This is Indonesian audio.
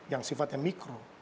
yang sifatnya mikro